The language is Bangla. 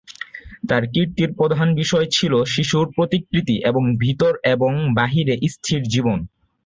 তার কীর্তির প্রধান বিষয় ছিল শিশুর প্রতিকৃতি এবং ভিতর এবং বাহিরে স্থির জীবন।